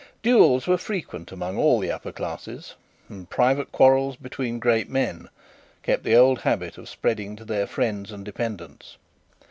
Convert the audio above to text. Duels were frequent among all the upper classes, and private quarrels between great men kept the old habit of spreading to their friends and dependents.